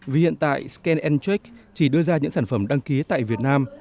vì hiện tại scan check chỉ đưa ra những sản phẩm đăng ký tại việt nam